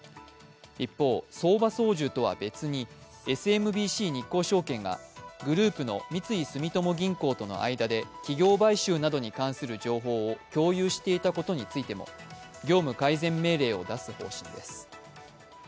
一方、相場操縦とは別にＳＭＢＣ日興証券がグループの三井住友銀行との間で企業買収などに関する情報を共有していたことについても業務改善命令を出す方針です。